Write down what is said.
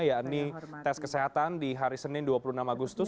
yakni tes kesehatan di hari senin dua puluh enam agustus